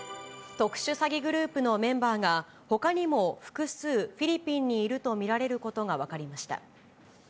特殊詐欺グループのメンバーが、ほかにも複数フィリピンにいると見られることが分かりました。